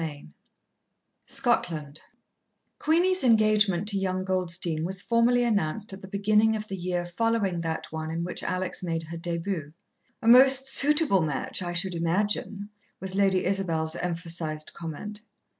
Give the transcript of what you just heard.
IX Scotland Queenie's engagement to young Goldstein was formally announced at the beginning of the year following that one in which Alex made her début. "A most suitable match, I should imagine," was Lady Isabel's emphasized comment.